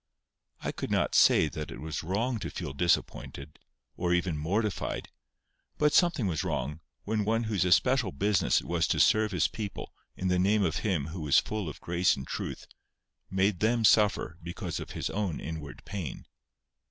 I could not say that it was wrong to feel disappointed or even mortified; but something was wrong when one whose especial business it was to serve his people in the name of Him who was full of grace and truth, made them suffer because of his own inward pain.